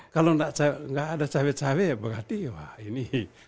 kalau tidak ada cabai cabai berarti wah ini